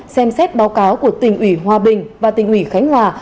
xem xét báo cáo của tỉnh ủy hòa bình và tỉnh ủy khánh hòa